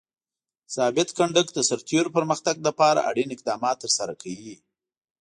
ضابط کنډک د سرتیرو پرمختګ لپاره اړین اقدامات ترسره کوي.